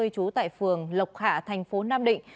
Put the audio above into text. trú tại phường lộc hạ thành phố nam định